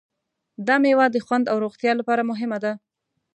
دا مېوه د خوند او روغتیا لپاره مهمه ده.